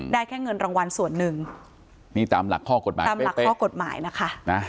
ได้แค่เงินรางวัลส่วนหนึ่งตามหลักข้อกฎหมายนะคะ